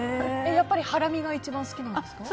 やっぱりハラミが一番好きなんですか？